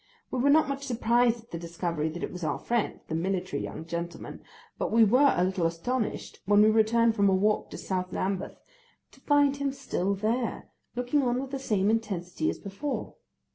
We were not much surprised at the discovery that it was our friend, the military young gentleman, but we were a little astonished when we returned from a walk to South Lambeth to find him still there, looking on with the same intensity as before.